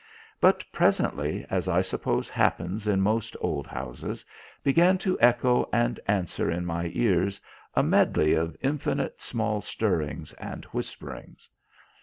But presently, as I suppose happens in most old houses, began to echo and answer in my ears a medley of infinite small stirrings and whisperings.